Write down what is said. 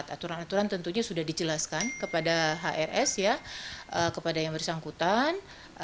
aturan aturan tentunya sudah dijelaskan kepada hrs ya kepada yang bersangkutan